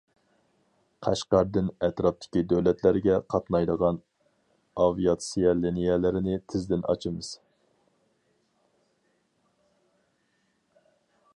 قەشقەردىن ئەتراپتىكى دۆلەتلەرگە قاتنايدىغان ئاۋىياتسىيە لىنىيەلىرىنى تېزدىن ئاچىمىز.